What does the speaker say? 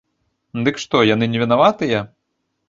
Дык што, яны невінаватыя?